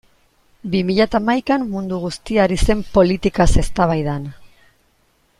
Bi mila eta hamaikan mundu guztia ari zen politikaz eztabaidan.